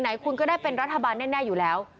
ไหนคุณก็ได้เป็นรัฐบาลแน่อยู่แล้ว